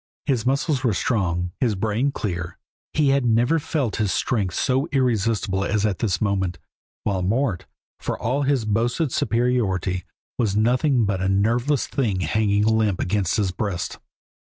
His muscles were strong, his brain clear, he had never felt his strength so irresistible as at this moment, while Mort, for all his boasted superiority, was nothing but a nerveless thing hanging limp against his breast.